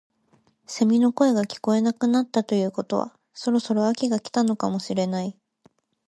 セミの声が聞こえなくなったということはそろそろ秋が来たのかもしれない